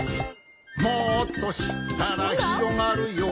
「もっとしったらひろがるよ」